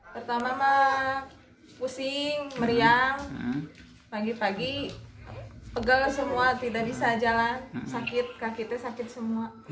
pertama pak pusing meriang pagi pagi pegal semua tidak bisa jalan sakit kakitnya sakit semua